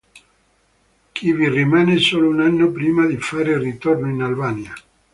Qui vi rimane solo un anno prima di fare ritorno in Albania.